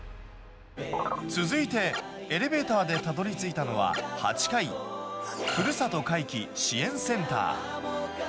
続いて、エレベーターでたどりついたのは８階、ふるさと回帰支援センター。